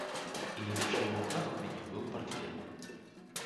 І яшчэ ў руках у мяне быў партфель.